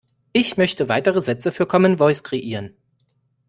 Ich möchte weitere Sätze für Commen Voice kreieren.